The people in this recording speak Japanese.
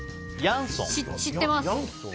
し、知ってます。